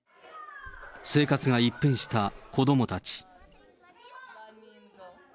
生活が一変した子どもたち。